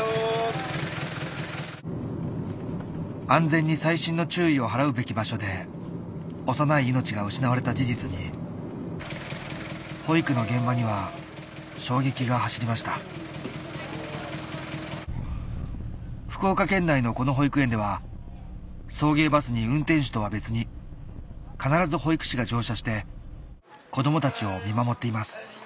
安全に細心の注意を払うべき場所で幼い命が失われた事実に保育の現場には衝撃が走りました福岡県内のこの保育園では送迎バスに運転手とは別に必ず保育士が乗車して子供たちを見守っています・